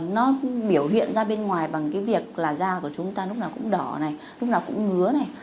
nó biểu hiện ra bên ngoài bằng cái việc là da của chúng ta lúc nào cũng đỏ này lúc nào cũng ngứa này